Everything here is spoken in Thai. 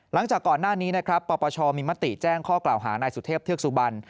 หลังจากก่อนหน้านี้นะครับปปชมีมติแจ้งข้อกล่าวหานายสุเทพเทือกสุบัน